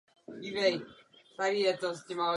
Neexistuje ani evropské řešení.